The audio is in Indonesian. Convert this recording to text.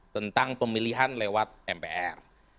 tentang pemilihan lewat mpr